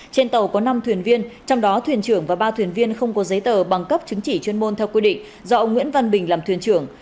trên tàu có năm thuyền viên trong đó thuyền trưởng và ba thuyền viên không có giấy tờ bằng cấp chứng chỉ chuyên môn theo quy định do ông nguyễn văn bình làm thuyền trưởng